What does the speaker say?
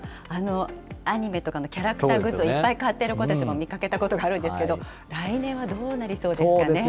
アニメとかのキャラクターグッズをいっぱい買ってる子たちも見かけたことがあるんですけど、来年はどうなりそうですかね。